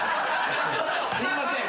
すいません。